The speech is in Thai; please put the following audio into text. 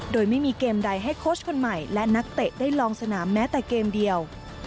โดยไม่มีเกมใดให้โค้ชคนใหม่และนักเตะได้ลองสนามแม้แต่เกมเดียว